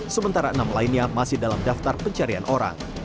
sementara enam lainnya masih dalam daftar pencarian orang